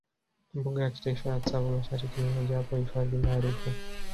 Mbuga ya Kitaifa ya Tsavo Mashariki ni mojawapo hifadhi maarufu